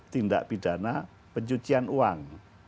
tindak pidana pencucian uang